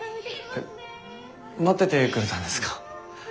待っててくれたんですか？